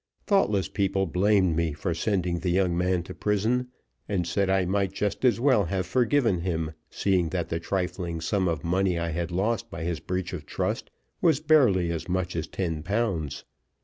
Thoughtless people blamed me for sending the young man to prison, and said I might just as well have forgiven him, seeing that the trifling sum of money I had lost by his breach of trust was barely as much as ten pounds.